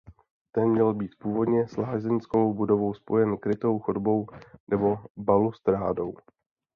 Ten měl být původně s Lázeňskou budovou spojen krytou chodbou nebo balustrádou.